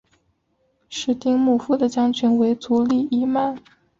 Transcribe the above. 室町幕府的将军为足利义满。